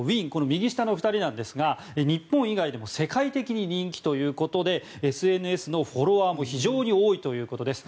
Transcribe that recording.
右下の２人なんですが日本以外でも世界的に人気ということでＳＮＳのフォロワーも非常に多いということです。